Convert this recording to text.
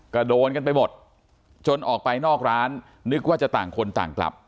ก็โดนกันไปหมดจนออกไปนอกร้านนึกว่าจะต่างคนต่างกลับ